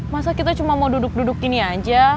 masa kita cuma mau duduk duduk gini aja